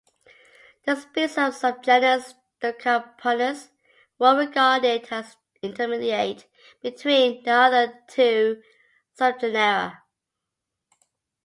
The species of subgenus "Ducampopinus" were regarded as intermediate between the other two subgenera.